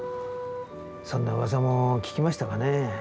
そんなうわさも聞きましたかね。